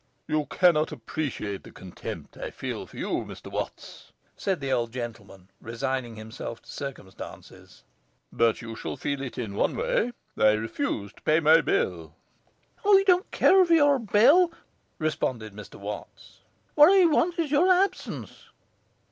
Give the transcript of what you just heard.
'You cannot appreciate the contempt I feel for you, Mr Watts,' said the old gentleman, resigning himself to circumstances. 'But you shall feel it in one way: I refuse to pay my bill.' 'I don't care for your bill,' responded Mr Watts. 'What I want is your absence.